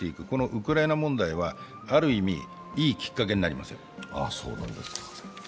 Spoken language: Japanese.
このウクライナ問題はある意味いいきっかけになりますよ。